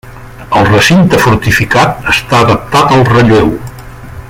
El recinte fortificat està adaptat al relleu.